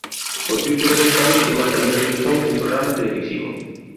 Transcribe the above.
Co título desta última tamén realizou un programa televisivo.